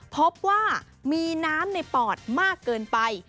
พบว่ามีน้ำในปอดมากเกินไป